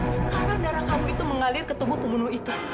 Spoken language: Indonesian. sekarang darah kamu itu mengalir ke tubuh pembunuh itu